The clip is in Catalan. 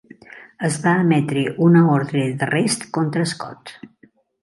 Es va emetre una ordre d'arrest contra Scott.